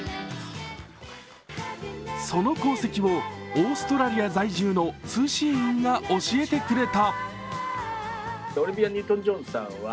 その功績をオーストラリア在住の通信員が教えてくれた。